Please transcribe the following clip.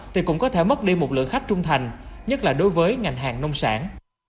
thì cũng có thể mất đi một lượng khách trung thành nhất là đối với ngành hàng nông sản